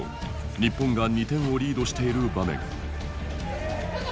日本が２点をリードしている場面。